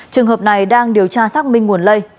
trường hợp này đang điều tra xác minh nguồn lây